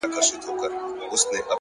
مثبت انسان د تیارو منځ کې رڼا ویني.